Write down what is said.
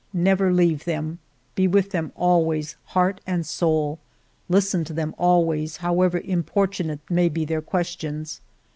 Never leave them ; be with them always, heart and soul ; listen to them always, however impor tunate may be their questions.